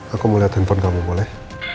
aku mau lihat handphone kamu boleh